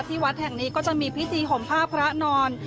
วัดแห่งนี้ก็จะมีพิธีห่มผ้าพระนอน